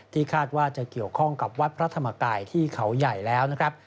คาดว่าจะเกี่ยวข้องกับวัดพระธรรมกายที่เขาใหญ่แล้วนะครับ